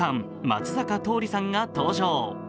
松坂桃李さんが登場。